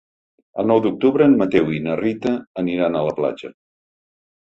El nou d'octubre en Mateu i na Rita aniran a la platja.